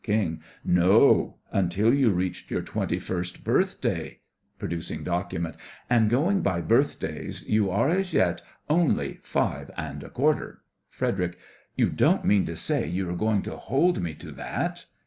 KING: No, until you reached your twenty first birthday (producing document), and, going by birthdays, you are as yet only five and a quarter. FREDERIC: You don't mean to say you are going to hold me to that?